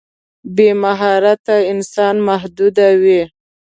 بې مهارته انسان محدود وي.